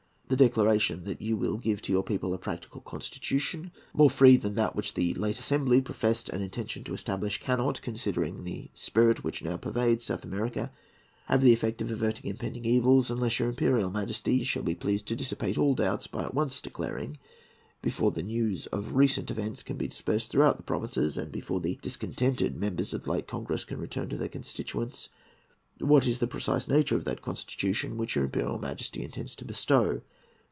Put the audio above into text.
The declaration that you will give to your people a practical constitution, more free even than that which the late Assembly professed an intention to establish, cannot—considering the spirit which now pervades South America—have the effect of averting impending evils, unless your Imperial Majesty shall be pleased to dissipate all doubts by at once declaring—before the news of the recent events can be dispersed throughout the provinces, and before the discontented members of the late congress can return to their constituents—what is the precise nature of that constitution which your Imperial Majesty intends to bestow.